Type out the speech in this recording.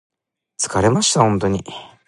疲れました